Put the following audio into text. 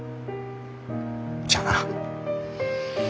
じゃあな。